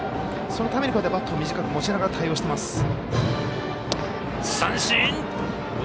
そのために、バットを短く持ちながら対応してます。